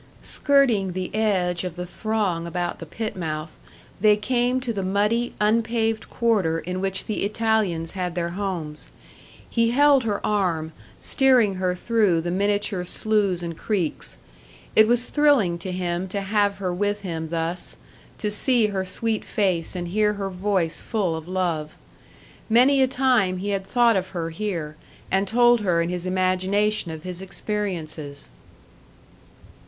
Skirting the edge of the throng about the pit mouth, they came to the muddy, unpaved quarter in which the Italians had their homes; he held her arm, steering her through the miniature sloughs and creeks. It was thrilling to him to have her with him thus, to see her sweet face and hear her voice full of love. Many a time he had thought of her here, and told her in his imagination of his experiences!